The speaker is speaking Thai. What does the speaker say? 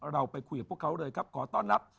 เราไปคุยกับพวกเขาเลยครับขอต้อนรับ